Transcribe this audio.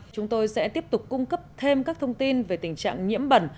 chúng tôi sẽ tiếp tục cung cấp thêm các thông tin về tình trạng nhiễm bẩn